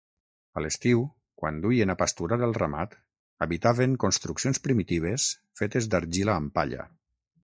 A l'estiu, quan duien a pasturar el ramat, habitaven construccions primitives fetes d'argila amb palla.